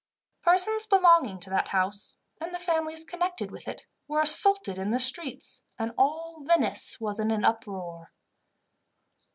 Persons belonging to that house, and the families connected with it, were assaulted in the streets, and all Venice was in an uproar.